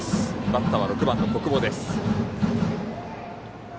バッターは６番の小久保です。